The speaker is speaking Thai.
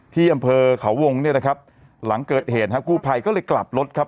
ที่อำเภอเขาวงเนี่ยนะครับหลังเกิดเหตุฮะกู้ภัยก็เลยกลับรถครับ